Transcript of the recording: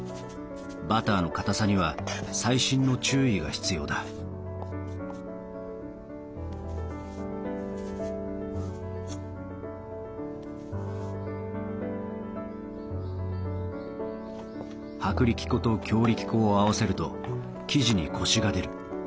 バターのかたさには細心の注意が必要だ薄力粉と強力粉を合わせると生地にコシが出る。